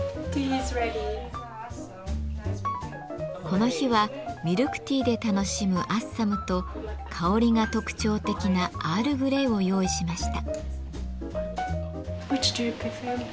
この日はミルクティーで楽しむアッサムと香りが特徴的なアールグレイを用意しました。